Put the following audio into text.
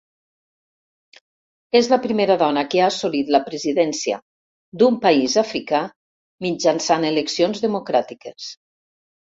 És la primera dona que ha assolit la presidència d'un país africà mitjançant eleccions democràtiques.